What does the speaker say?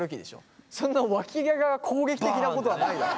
そんなわき毛が攻撃的なことはないだろ。